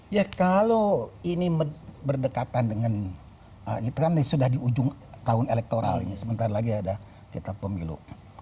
ya kalau ini berdekatan dengan kita kan sudah di ujung tahun elektoral ini sebentar lagi ada kita pemilu